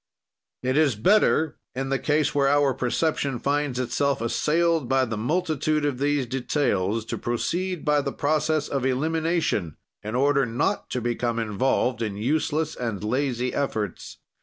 "It is better, in the case where our perception finds itself assailed by the multitude of these details, to proceed by the process of elimination, in order not to become involved in useless and lazy efforts.